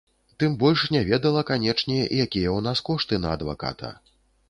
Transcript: Тым больш не ведала, канечне, якія ў нас кошты на адваката.